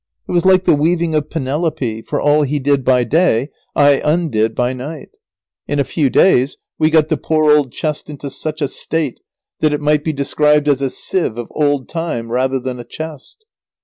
It was like the weaving of Penelope, for all he did by day I undid by night. In a few days we got the poor old chest into such a state, that it might be described as a sieve of old time rather than a chest.